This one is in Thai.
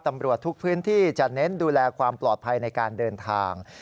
ตำรวจทุกพื้นที่จะเน้นดูแลความปลอดภัยในการเดินทาง